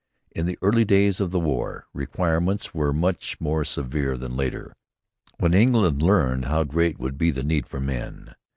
In the early days of the war, requirements were much more severe than later, when England learned how great would be the need for men.